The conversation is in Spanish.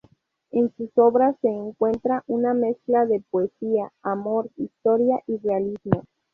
En sus obras se encuentra una mezcla de poesía, amor, historia y realismo.